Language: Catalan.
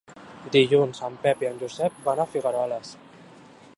Dilluns en Pep i en Josep van a Figueroles.